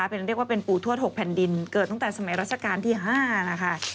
เป็นเรียกว่าเป็นปู่ทวด๖แผ่นดินเกิดตั้งแต่สมัยราชการที่๕นะคะ